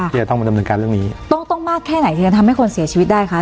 ที่จะต้องมาดำเนินการเรื่องนี้ต้องต้องมากแค่ไหนที่จะทำให้คนเสียชีวิตได้คะ